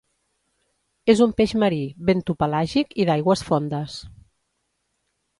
És un peix marí, bentopelàgic i d'aigües fondes.